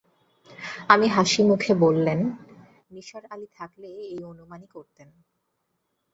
আমি হাসিমুখে বললেন, নিসার আলি থাকলে এই অনুমানই করতেন।